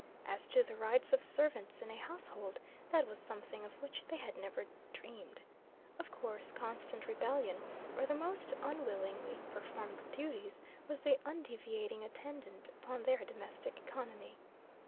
As to the rights of servants in a household, that was something of which they had never dreamed. Of course, constant rebellion, or the most unwillingly preformed duties, was the undeviating attendant upon their domestic economy.